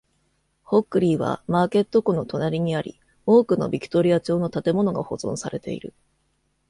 ホックリーは、マーケット湖の隣にあり、多くのビクトリア朝の建物が保存されている。